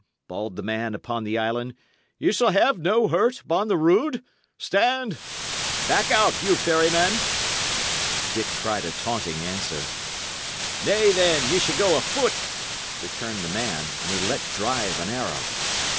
bawled the man upon the island. "Ye shall have no hurt, upon the rood! Stand! Back out, Hugh Ferryman." Dick cried a taunting answer. "Nay, then, ye shall go afoot," returned the man; and he let drive an arrow.